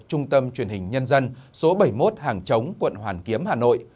trung tâm truyền hình nhân dân số bảy mươi một hàng chống quận hoàn kiếm hà nội